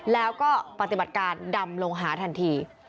แล้วก็ปฏิบัติการดำลงหาทันที